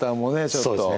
ちょっと